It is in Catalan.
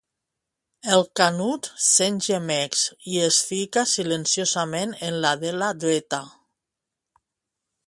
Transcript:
El canut sent gemecs i es fica silenciosament en la de la dreta.